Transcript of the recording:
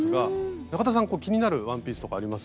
中田さん気になるワンピースとかあります？